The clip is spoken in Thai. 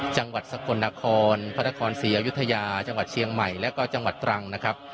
จังหวัดสกลนครพระนครศรีอยุธยาจังหวัดเชียงใหม่แล้วก็จังหวัดตรังนะครับ